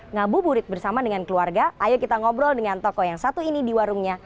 ngabuburit bersama dengan keluarga ayo kita ngobrol dengan toko yang satu ini di warungnya